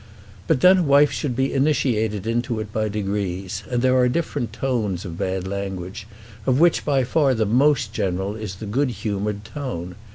But then a wife should be initiated into it by degrees; and there are different tones of bad language, of which by far the most general is the good humoured tone.